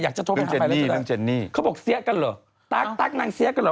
อยากจะโทษให้เขาไปแล้วจะได้นะครับเขาบอกเสี้ยกันเหรอตั๊กตั๊กนางเสี้ยกันเหรอ